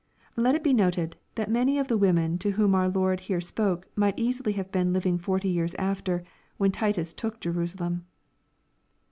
] Let it be noted, that many of tlie women to whom our Lord here spoke, might easily have been hving forty years atter, when Titus took Jerusalem.